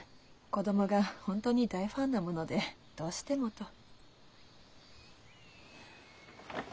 子供が本当に大ファンなものでどうしてもと。